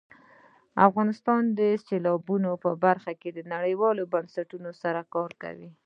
افغانستان د سیلابونه په برخه کې نړیوالو بنسټونو سره کار کوي.